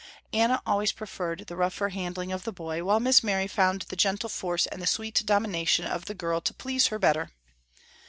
Anna always preferred the rougher handling of the boy, while Miss Mary found the gentle force and the sweet domination of the girl to please her better.